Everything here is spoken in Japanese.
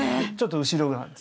ちょっと後ろ側。